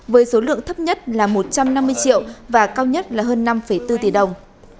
với số lượng thấp nhất là một trăm năm mươi triệu và cao nhất là hơn năm bốn tỷ đồng